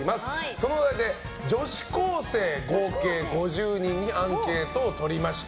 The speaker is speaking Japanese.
そのお題で女子高生合計５０人にアンケートをとりました。